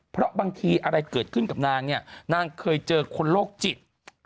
เพราะบางทีอะไรเกิดขึ้นกับนางเนี่ยนางเคยเจอคนโรคจิต